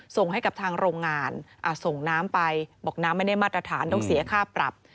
ส่งให้กับทางโรงงานส่งน้ำไปบอกน้ำไม่ได้มาตรฐานต้องเสียค่าปรับ